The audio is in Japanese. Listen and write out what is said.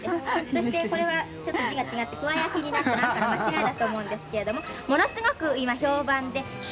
そしてこれはちょっと字が違って「鍬焼」になって何かの間違いだと思うんですけれどもものすごく今評判で。